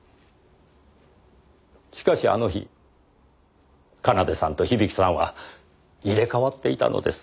しかしあの日奏さんと響さんは入れ替わっていたのです。